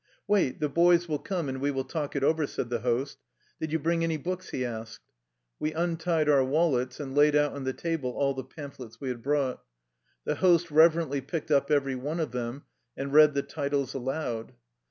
"Wait, the boys will come, and we will talk it over," said the host. "Did you bring any books?" he asked. We untied our wallets and laid out on the table all the pamphlets we had brought. The host reverently picked up every one of them and read the titles aloud.